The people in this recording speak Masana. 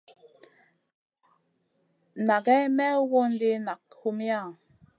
Nʼagai mey wondi nak humiya?